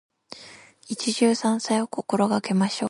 一汁三菜を心がけましょう。